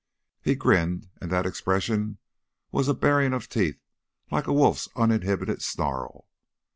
He grinned and that expression was a baring of teeth like a wolf's uninhibited snarl.